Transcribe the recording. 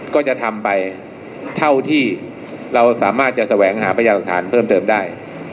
ก็จะทำไปเท่าที่เราสามารถจะแสวงหาพยาหลักฐานเพิ่มเติมได้